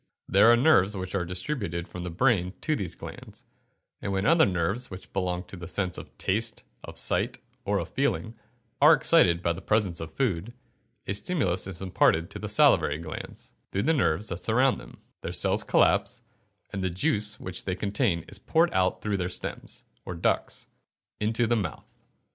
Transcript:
There are nerves which are distributed from the brain to these glands, and when other nerves which belong to the senses of taste, of sight, or of feeling, are excited by the presence of food, a stimulus is imparted to the salivary glands, through the nerves that surround them, their cells collapse, and the juice which they contain is poured out through their stems, or ducts, into the mouth.